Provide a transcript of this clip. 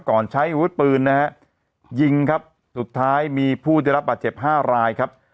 ใช้อาวุธปืนนะฮะยิงครับสุดท้ายมีผู้ได้รับบาดเจ็บห้ารายครับ